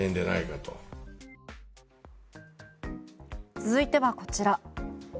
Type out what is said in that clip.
続いてはこちら。